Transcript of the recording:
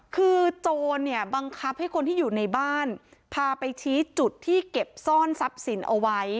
คือโจรเนี่ยบังคับให้คนที่อยู่ในบ้านพาไปชี้จุดที่เก็บซ่อนทรัพย์สินเอาไว้